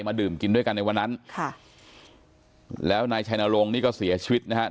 ดื่มกินด้วยกันในวันนั้นค่ะแล้วนายชัยนรงค์นี่ก็เสียชีวิตนะฮะ